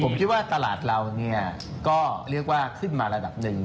ผมคิดว่าตลาดเราเนี่ยก็เรียกว่าขึ้นมาระดับหนึ่ง